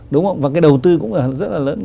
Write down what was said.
đúng không và cái đầu tư cũng rất là lớn